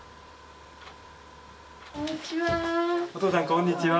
こんにちは。